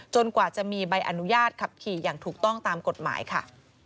กว่าจะมีใบอนุญาตขับขี่อย่างถูกต้องตามกฎหมายค่ะ